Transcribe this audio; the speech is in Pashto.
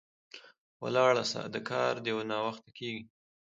ولاړ سه، د کار دي ناوخته کیږي